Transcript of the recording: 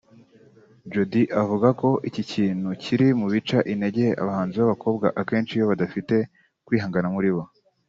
Jody avuga ko iki kintu kiri mu bica intege abahanzi b’abakobwa akenshi iyo badafite kwihangana muri bo